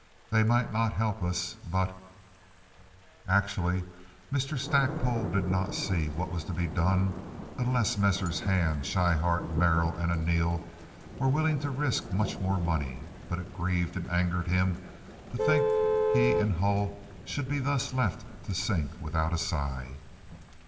They may not help us, but—" Actually Mr. Stackpole did not see what was to be done unless Messrs. Hand, Schryhart, Merrill, and Arneel were willing to risk much more money, but it grieved and angered him to think he and Hull should be thus left to sink without a sigh.